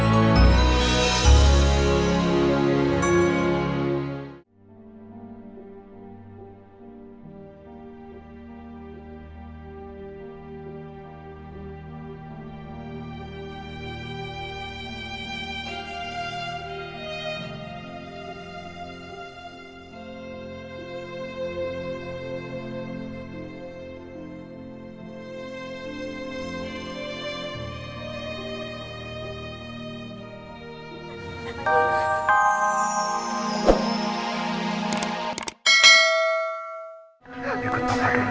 sampai jumpa di video selanjutnya